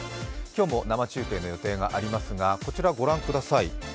今日も生中継の予定がありますが、こちら、ご覧ください。